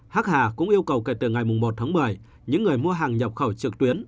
hack hà cũng yêu cầu kể từ ngày một tháng một mươi những người mua hàng nhập khẩu trực tuyến